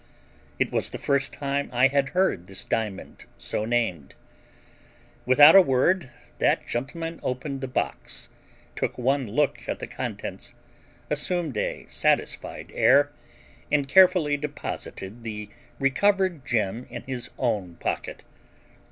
It was the first time I had heard this diamond so named. Without a word that gentleman opened the box, took one look at the contents, assumed a satisfied air, and carefully deposited the recovered gem in his own pocket.